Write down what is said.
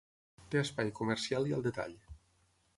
Té espai comercial i al detall.